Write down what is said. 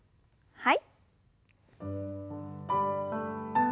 はい。